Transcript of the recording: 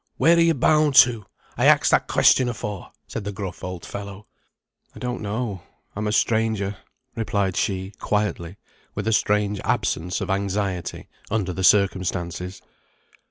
"Where are you bound to? I axed that question afore," said the gruff old fellow. "I don't know. I'm a stranger," replied she, quietly, with a strange absence of anxiety under the circumstances.